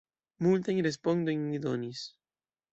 Multajn respondojn ni donis.